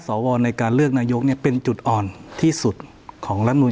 สวในการเลือกนายกเนี่ยเป็นจุดอ่อนที่สุดของรัฐมนุน